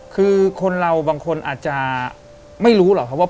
คือคนเราบางคนอาจจะไม่รู้หรอกครับว่า